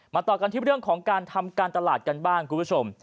ต่อกันที่เรื่องของการทำการตลาดกันบ้างคุณผู้ชม